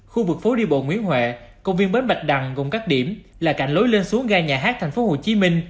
khu vực phố đi bộ nguyễn huệ công viên bến bạch đằng gồm các điểm là cạnh lối lên xuống ga nhà hát tp hcm